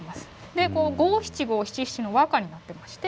でこう五七五七七の和歌になってまして。